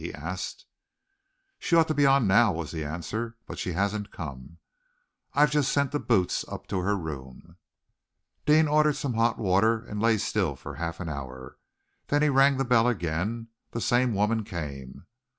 he asked. "She ought to be on now," was the answer, "but she hasn't come. I've just sent the 'boots' up to her room." Deane ordered some hot water and lay still for half an hour. Then he rang the bell again. The same woman came.